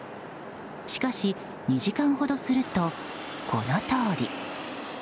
しかし、２時間ほどするとこのとおり。